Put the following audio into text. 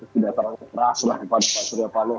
kepada pak surya paloh